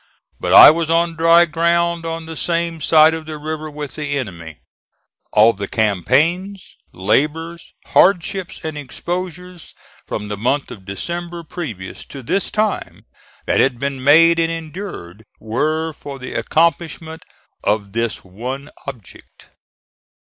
But I was on dry ground on the same side of the river with the enemy. All the campaigns, labors, hardships and exposures from the month of December previous to this time that had been made and endured, were for the accomplishment of this one object.